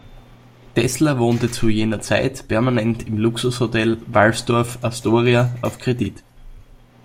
Tesla wohnte zu jener Zeit permanent im Luxushotel Waldorf-Astoria auf Kredit.